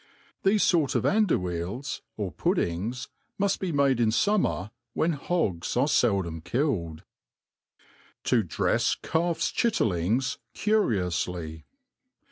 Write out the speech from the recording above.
Theft* fort of andouilies, or puddings, muft be made in fummer, when hogs are fcldom killed. To drefs Calfs Chitterlings curioujly.